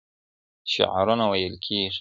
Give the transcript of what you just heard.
شعرونه ويل کېږي